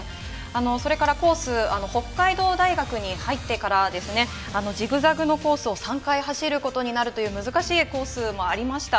それからコース、北海道大学に入ってからですね、ジグザグのコースを３回走ることになるという難しいコースもありました。